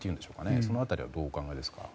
その辺りはどうお考えですか。